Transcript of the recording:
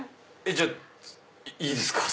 じゃあいいですか？